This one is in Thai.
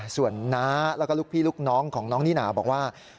ส่วนน้าแล้วก็ลูกพี่ลูกน้องของน้องนิน่าบอกว่า